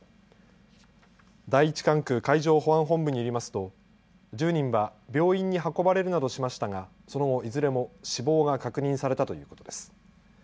第１管区海上保安本部によりますと１０人は病院に運ばれるなどしましたがその後、いずれも死亡が確認されたということです。